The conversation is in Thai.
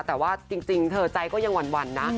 แต่ว่าจริงเธอใจก็ยังหวั่นนะ